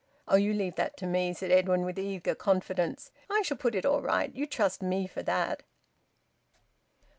"Oh, you leave that to me!" said Edwin, with eager confidence. "I shall put it all right. You trust me for that!"